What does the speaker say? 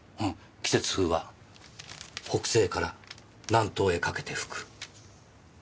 季節風は北西から南東へかけて吹く。